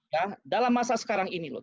ya dalam masa sekarang ini loh